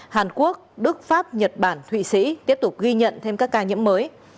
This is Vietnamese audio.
hàn quốc đức pháp nhật bản thụy sĩ tiếp tục ghi nhận thêm các ca nhiễm mới